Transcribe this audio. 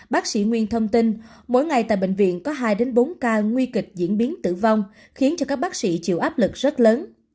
bác sĩ nguyên thông tin mỗi ngày tại bệnh viện có hai bốn ca nguy kịch diễn biến tử vong khiến cho các bác sĩ chịu áp lực rất lớn